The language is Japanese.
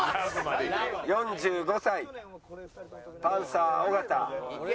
４５歳パンサー尾形。